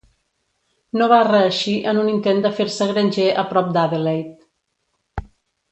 No va reeixir en un intent de fer-se granger a prop d'Adelaide.